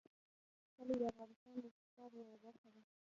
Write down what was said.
کلي د افغانستان د اقتصاد یوه برخه ده.